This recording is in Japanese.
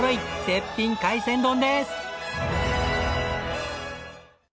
絶品海鮮丼です。